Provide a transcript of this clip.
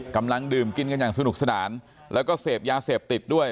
กันอย่างสนุกสนานแล้วก็เสพยาเสพติดด้วย